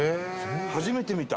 初めて見た！